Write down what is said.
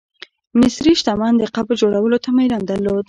مصري شتمن د قبر جوړولو ته میلان درلود.